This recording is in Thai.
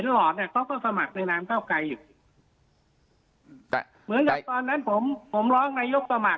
เหมือนกับตอนนั้นผมผมรองรายการประมาท